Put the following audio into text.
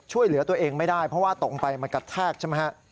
ช่วยเหลือตัวเองไม่ได้เพราะว่าตกไปมันกระแทกใช่ไหมฮะ